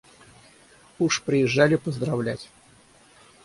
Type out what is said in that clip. Уж приезжали поздравлять.